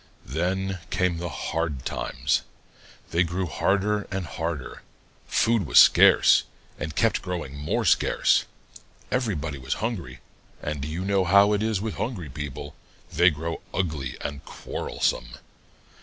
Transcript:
Then came hard times. They grew harder and harder. Food was scarce and kept growing more scarce. Everybody was hungry, and you know how it is with hungry people they grow ugly and quarrelsome.